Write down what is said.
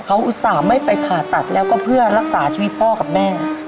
เขาอุตส่าห์ไม่ไปผ่าตัดแล้วก็เพื่อรักษาชีวิตพ่อกับแม่